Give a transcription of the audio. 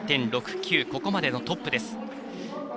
ここまでのトップです。